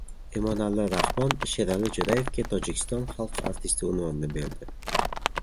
Emomali Rahmon Sherali Jo‘rayevga Tojikiston xalq artisti unvonini berdi